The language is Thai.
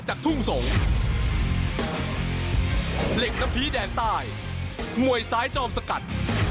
เหล็กน้ำพีแดนใต้มวยซ้ายจอมสกัด